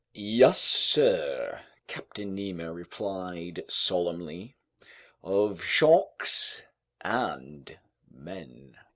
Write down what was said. "Yes, sir," Captain Nemo replied solemnly, "of sharks and men!"